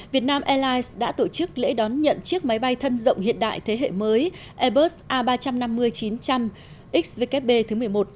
việt nam airlines đã tổ chức lễ đón nhận chiếc máy bay thân rộng hiện đại thế hệ mới airbus a ba trăm năm mươi chín trăm linh xvkb thứ một mươi một